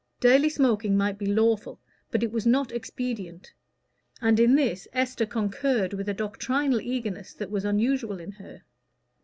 Daily smoking might be lawful, but it was not expedient. And in this Esther concurred with a doctrinal eagerness that was unusual in her.